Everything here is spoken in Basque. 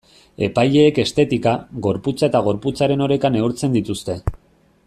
Epaileek estetika, gorputza eta gorputzaren oreka neurtzen dituzte.